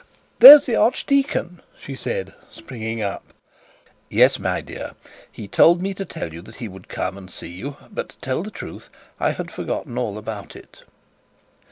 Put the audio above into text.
'There's the archdeacon,' she said, springing up. 'Yes, my dear. He told me to tell you that he would come to see you; but, to tell the truth, I had forgotten all about it.'